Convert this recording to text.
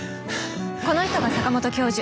この人が坂本教授。